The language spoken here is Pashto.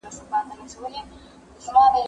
زه اوس شګه پاکوم